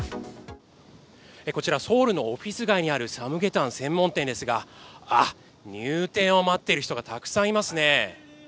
こちら、ソウルのオフィス街にあるサムゲタン専門店ですが、あっ、入店を待っている人がたくさんいますね。